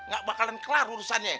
gak bakalan kelar urusannya